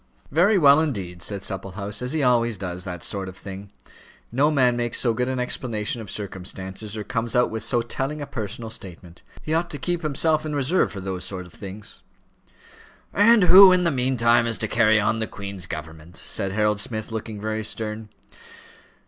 "Very well, indeed," said Supplehouse; "as he always does those sort of things. No man makes so good an explanation of circumstances, or comes out with so telling a personal statement. He ought to keep himself in reserve for those sort of things." "And who in the meantime is to carry on the Queen's government?" said Harold Smith, looking very stern.